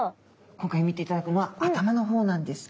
今回見ていただくのは頭の方なんです。